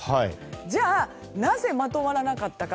じゃあ、なぜまとまらなかったか